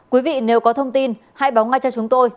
quý vị nếu có thông tin hãy báo ngay cho chúng tôi